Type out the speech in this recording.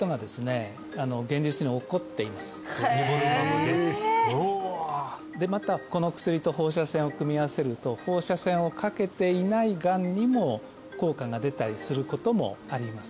うわでまたこの薬と放射線を組み合わせると放射線をかけていないがんにも効果が出たりすることもあります